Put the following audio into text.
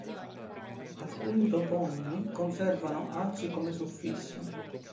Alcuni toponimi conservano "aci" come suffisso.